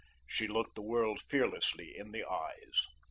She looked the world fearlessly in the eyes.